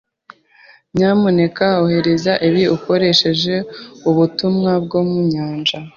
Nyamuneka ohereza ibi ukoresheje ubutumwa bwo mu nyanja.